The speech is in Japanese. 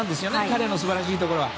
彼の素晴らしいところは。